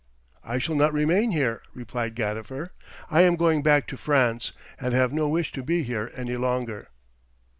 "I shall not remain here," replied Gadifer, "I am going back to France, and have no wish to be here any longer."